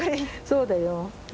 そうだよ。